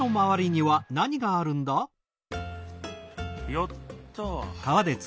よっと！